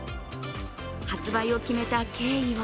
発売を決めた経緯は